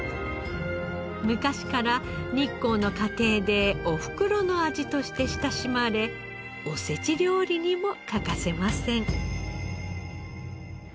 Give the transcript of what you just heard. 昔から日光の家庭でおふくろの味として親しまれおせち料理にも欠かせません。